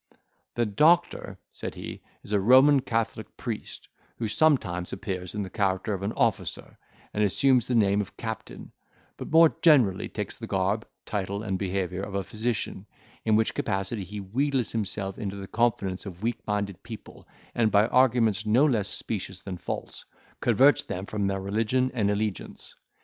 "The doctor," said he "is a Roman Catholic priest, who sometimes appears in the character of an officer, and assumes the name of captain; but more generally takes the garb, title, and behaviour of a physician, in which capacity he wheedles himself into the confidence of weak minded people, and by arguments no less specious than false, converts them from their religion and allegiance.